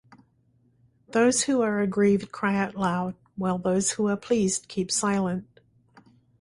Those who are aggrieved cry out loud, while those who are pleased keep silent.